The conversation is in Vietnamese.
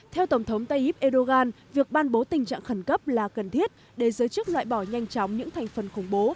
theo tổng thống tayyip erdogan việc ban bố tình trạng khẩn cấp là cần thiết để giới chức loại bỏ nhanh chóng những thành phần khủng bố